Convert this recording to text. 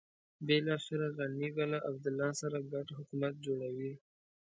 بلاخره غني به له عبدالله سره ګډ حکومت جوړوي.